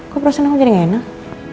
kok perasaan aku jadi gak enak